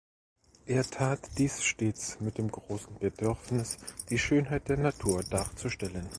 Er tat dies stets mit dem großen Bedürfnis, die Schönheit der Natur darzustellen.